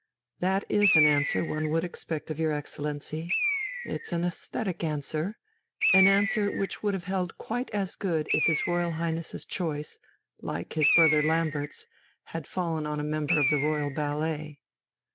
"That is an answer one would expect of your Excellency. It's an æsthetic answer, an answer which would have held quite as good if his Royal Highness's choice, like his brother Lambert's, had fallen on a member of the royal ballet."